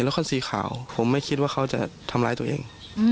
เห็นรถคอนซีขาวผมไม่คิดว่าเค้าจะทำร้ายตัวเอง